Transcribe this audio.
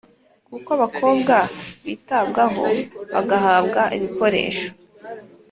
kuko abakobwa bitabwaho, bagahabwa ibikoresho